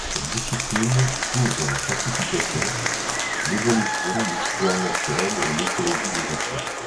Cette discipline couvre la classification, l'évolution, l'histoire naturelle et l'écologie des insectes.